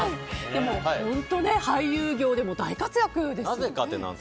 でも本当俳優業でも大活躍ですね。